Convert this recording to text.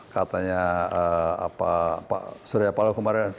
katanya pak surya paloh kemarin